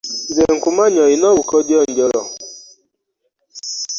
Nze nkumanyi olina obukodyo njolo.